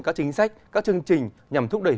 các chính sách các chương trình nhằm thúc đẩy